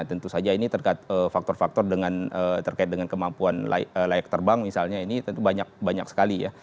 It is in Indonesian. tentu saja ini terkait faktor faktor dengan terkait dengan kemampuan layak terbang misalnya ini tentu banyak sekali ya